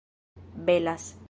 belas